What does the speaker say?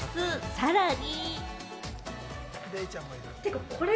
さらに。